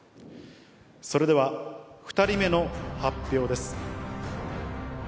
それでは２人目の発表です。